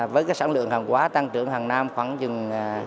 với sản lượng hàng quá tăng trưởng hàng năm khoảng hai mươi hai